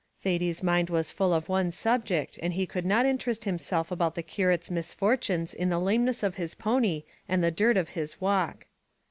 Thady's mind was full of one object, and he could not interest himself about the curate's misfortunes in the lameness of his pony and the dirt of his walk.